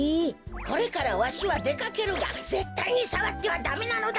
これからわしはでかけるがぜったいにさわってはダメなのだ！